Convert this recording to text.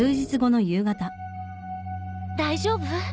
大丈夫？